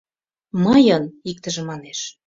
— Мыйын! — иктыже манеш.